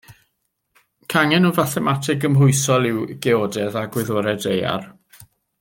Cangen o fathemateg gymhwysol yw geodedd a gwyddorau daear.